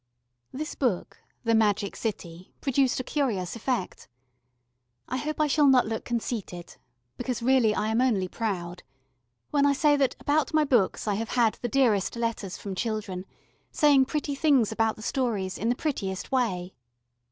This book, The Magic City, produced a curious effect. I hope I shall not look conceited (because really I am only proud) when I say that about my books I have had the dearest letters from children, saying pretty things about the stories in the prettiest way.